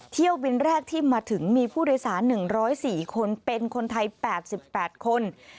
เที่ยวบินแรกที่มาถึงมีผู้โดยสาร๑๐๔คนเป็นคนไทย๘๘คน